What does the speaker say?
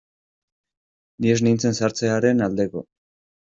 Ni ez nintzen sartzearen aldeko.